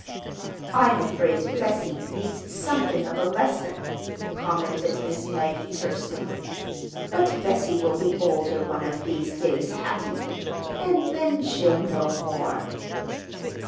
"I'm afraid Bessie—needs something of a lesson," commented Miss Maggie tersely. "But Bessie will be older, one of these days, Hattie, and then she'll—know more."